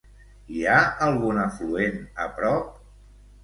Hi ha algun afluent a prop?